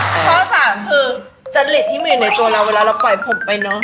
เพราะฉะนั้นคือจริตที่มีในตัวเราเวลาเราปล่อยผมไปเนอะ